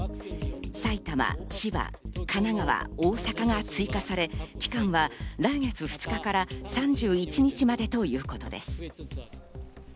埼玉、千葉、神奈川、大阪が追加され、期間は来月２日から３１日までということです。